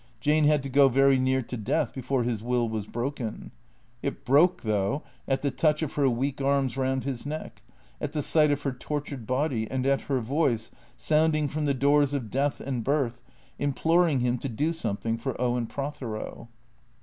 Jane had to go very near to death before his will was broken. It broke, though, at the touch of her weak arms round his neck, at the sight of her tortured body, and at her voice, sounding from the doors of death and birth, imploring him to do something for Owen Prothero.